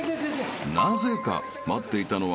［なぜか待っていたのはガイドの］